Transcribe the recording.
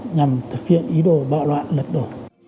nhằm thực hiện ý đồ bạo loạn lật đổ